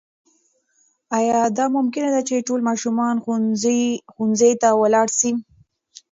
آیا دا ممکنه ده چې ټول ماشومان ښوونځي ته ولاړ سي؟